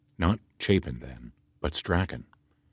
Not Chapin then, but Strachan.